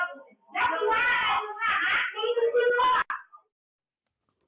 มึงคุยว่าอะ